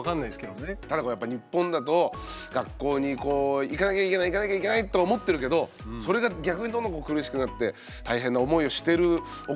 ただこれやっぱ日本だと学校にこう行かなきゃいけない行かなきゃいけないと思ってるけどそれが逆にどんどんこう苦しくなって大変な思いをしてるお子さんが多くて。